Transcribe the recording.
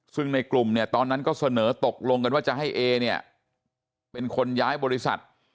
ซึ่งในกลุ่มเนี่ยตอนนั้นก็เสนอตกลงกันว่าจะให้เอเนี่ยเป็นคนย้ายบริษัท